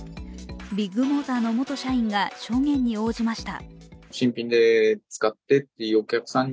ビッグモーターの元社員が証言に応じました。